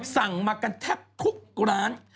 สั่งมากันแทบทุกร้าน